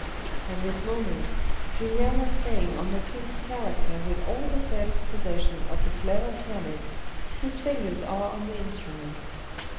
At this moment, Julien was playing on Mathilde's character with all the self possession of a clever pianist, whose fingers are on the instrument.